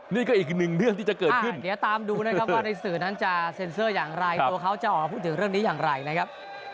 นี่ก็อีกหนึ่งเรื่องที่จะเกิดขึ้นเดี๋ยวตามดูนะครับว่าในสื่อนั้นจะเซ็นเซอร์อย่างไรตัวเขาจะออกมาพูดถึงเรื่องนี้อย่างไรนะครับ